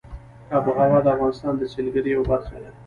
آب وهوا د افغانستان د سیلګرۍ یوه برخه ده.